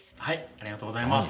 ありがとうございます。